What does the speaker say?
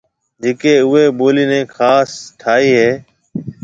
جڪو اُوئي ٻولِي نَي خاص ٺاهيَ هيَ۔